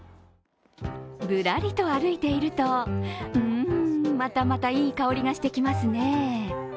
ぶらりと歩いていると、うん、またまたいい香りがしてきますね。